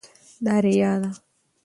دا ریا ده.